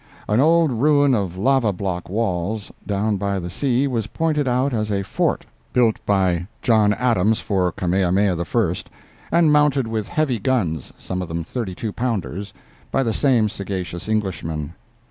An old ruin of lava block walls down by the sea was pointed out as a fort built by John Adams for Kamehameha I, and mounted with heavy guns—some of them 32 pounders—by the same sagacious Englishman.